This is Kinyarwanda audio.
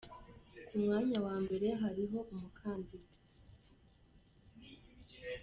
Ku mwanya wa mbere hariho umukandida